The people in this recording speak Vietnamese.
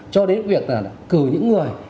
cho đến việc cử những người